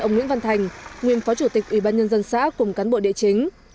ông nguyễn văn thành nguyên phó chủ tịch ủy ban nhân dân xã cùng cán bộ địa chính